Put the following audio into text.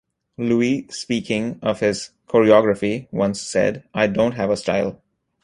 Louis speaking of his choreography once said, I don't have a style.